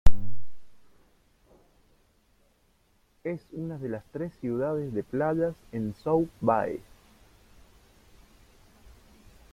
Es una de las tres ciudades de playas en South Bay.